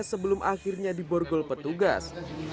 sebelum akhirnya diborgol petugas